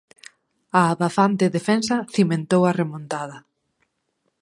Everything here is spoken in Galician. A abafante defensa cimentou a remontada.